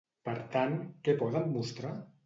Per tant, què poden mostrar?